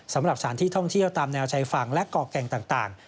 สำหรับสถานที่ท่องเที่ยวตามแนวชายฝั่งและก่อแก่งต่าง